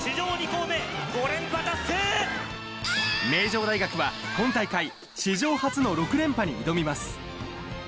名城大学は今大会、史上初の６連覇に挑みます。